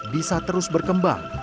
bisa terus berkembang